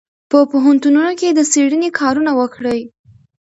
په پوهنتونونو کې د څېړنې کارونه وکړئ.